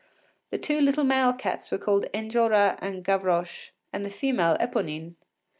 The two little male cats were called Enjolras and Gavroche, and the female Eponine.